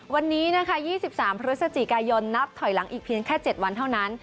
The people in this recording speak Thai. วันนี้นะคะ๒๓พฤศจิกายนนับถอยหลังอีกเพียงแค่๗วันเท่านั้น